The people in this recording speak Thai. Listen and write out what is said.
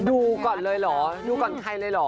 ดูก่อนเลยเหรอดูก่อนใครเลยเหรอ